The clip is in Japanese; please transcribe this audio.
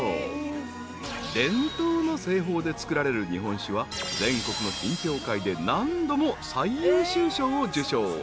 ［伝統の製法で造られる日本酒は全国の品評会で何度も最優秀賞を受賞］